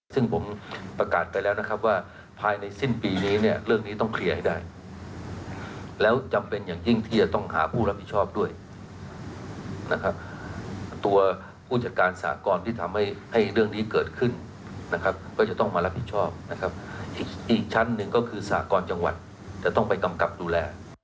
ซึ่งผมประกาศไปแล้วนะครับว่าภายในสิ้นปีนี้เนี่ยเรื่องนี้ต้องเคลียร์ให้ได้แล้วจำเป็นอย่างยิ่งที่จะต้องหาผู้รับผิดชอบด้วยนะครับตัวผู้จัดการสากรที่ทำให้ให้เรื่องนี้เกิดขึ้นนะครับก็จะต้องมารับผิดชอบนะครับอีกชั้นหนึ่งก็คือสากรจังหวัดจะต้องไปกำกับดูแล